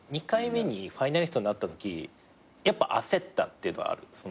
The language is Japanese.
２回目にファイナリストになったときやっぱ焦ったっていうのはある。